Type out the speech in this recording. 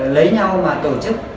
lấy nhau mà tổ chức